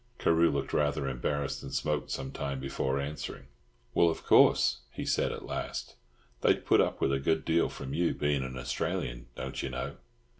Carew looked rather embarrassed, and smoked some time before answering. "Well, of course," he said at last, "they'd put up with a good deal from you, bein' an Australian, don't you know.